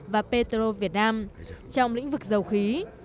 và petro việt nam trong lĩnh vực dầu khí